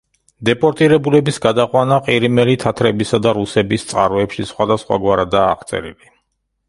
დეპორტირებულების გადაყვანა ყირიმელი თათრებისა და რუსების წყაროებში სხვადასხვაგვარადაა აღწერილი.